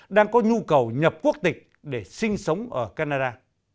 đang có nhu cầu nhập quốc tịch để sinh sống ở canada